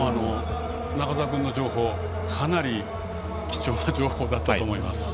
中澤君の情報かなり貴重な情報だったと思います。